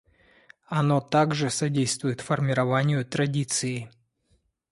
Оно также содействует формированию традиции.